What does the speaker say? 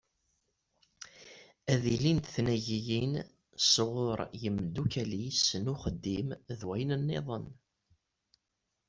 Ad ilint tnagiyin sɣur yimeddukkal-is n uxeddim d wayen-nniḍen.